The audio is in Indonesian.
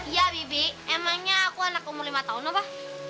ya bibi emangnya aku anak umur lima tahun apa